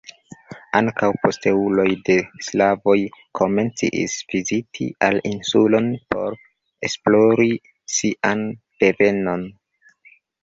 Ankaŭ posteuloj de sklavoj komencis viziti al insulon por esplori sian devenon.